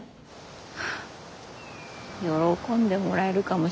喜んでもらえるかもしれない。